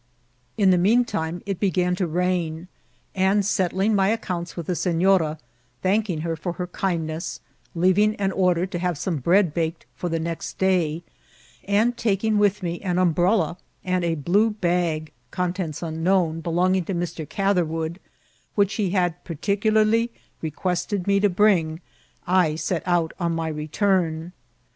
In the mean time it began to rain ; and, settling my accounts with the sefiora, thanking her f<Mr her kind ness, leaving an order to have some bread baked for the next day, and taking with me an umbrella and a blue bag, contents unknown, belonging to Mr. Gather* wood, which he had particularly requested me to bring, I set out on my return.